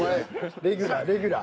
レギュラーレギュラー。